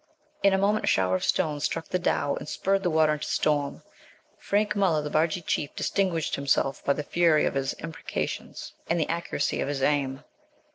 In a moment a shower of stones struck the dhow, and spurred the water into storm. Frank Muller, the Barghî chief, distinguished himself by the fury of his imprecations and the accuracy of his aim.